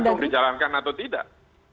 tergantung dijalankan atau tidak